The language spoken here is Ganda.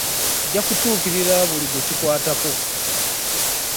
Nja kutuukirira buli gwe kikwatako.